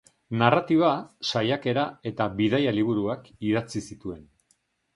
Narratiba, saiakera eta bidaia-liburuak idatzi zituen.